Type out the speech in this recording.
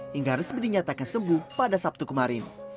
hingga resmi dinyatakan sembuh pada sabtu kemarin